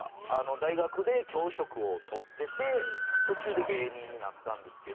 大学で教職を取ってて途中で芸人になったんですけど。